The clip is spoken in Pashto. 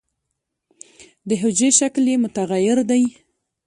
د حجرې شکل یې متغیر دی.